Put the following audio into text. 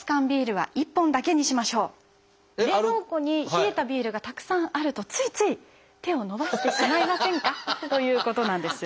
冷蔵庫に冷えたビールがたくさんあるとついつい手を伸ばしてしまいませんかということなんですよ。